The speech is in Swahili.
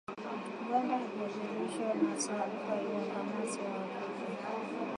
Uganda haijaridhishwa na taarifa hiyo ya kamati ya uhakiki